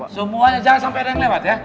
semuanya jangan sampai ada yang lewat ya